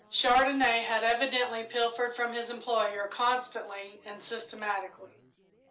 Chandonnais had evidently pilfered from his employer constantly and systematically.